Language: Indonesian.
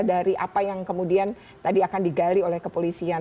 dari apa yang kemudian tadi akan digali oleh kepolisian